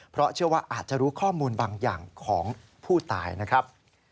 เพราะเชื่อว่าอาจจะรู้ข้อมูลบางอย่างของผู้ตายนะครับ